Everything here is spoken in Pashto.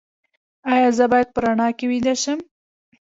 ایا زه باید په رڼا کې ویده شم؟